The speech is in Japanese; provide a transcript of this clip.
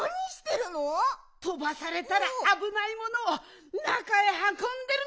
とばされたらあぶないものをなかへはこんでるの！